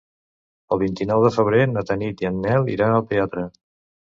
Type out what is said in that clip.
El vint-i-nou de febrer na Tanit i en Nel iran al teatre.